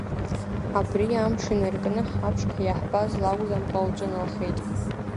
Абри амш инаркны ҳаԥшқа иаҳбаз лакәӡамкәа лҿыналхеит.